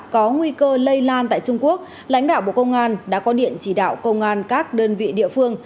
có nguy cơ lây lan tại trung quốc lãnh đạo bộ công an đã có điện chỉ đạo công an các đơn vị địa phương